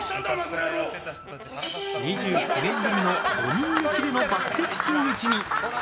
２９年ぶりの５人抜きでの抜擢真打ちに。